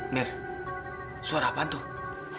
mir suara apaan tuh